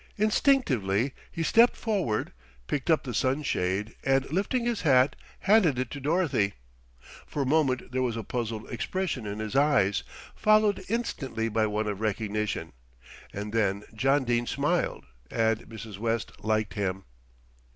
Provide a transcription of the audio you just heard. Instinctively he stepped forward, picked up the sunshade and lifting his hat handed it to Dorothy. For a moment there was a puzzled expression in his eyes, followed instantly by one of recognition; and then John Dene smiled, and Mrs. West liked him.